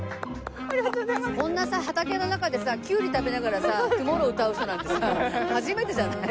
こんなさ畑の中でキュウリ食べながらさ『トゥモロー』歌う人なんて初めてじゃない？